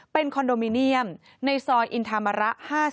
เป็นคอนโดมิเนียมในซอยอินธรรมระ๕๐